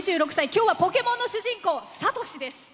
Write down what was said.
今日は「ポケモン」の主人公サトシです。